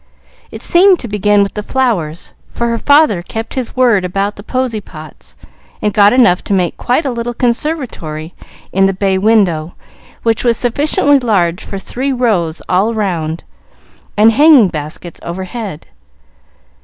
It seemed to begin with the flowers, for her father kept his word about the "posy pots," and got enough to make quite a little conservatory in the bay window, which was sufficiently large for three rows all round, and hanging baskets overhead.